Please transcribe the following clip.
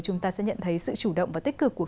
chúng ta sẽ nhận thấy sự chủ động và tích cực của